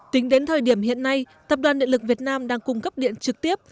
tính đến thời điểm hiện nay tập đoàn điện lực việt nam đang cung cấp điện trực tiếp